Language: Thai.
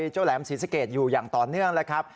แหลมศรีสะเกดอยู่อย่างต่อเนื่องแล้วครับ